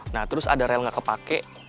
nah terus ada rel gak kepake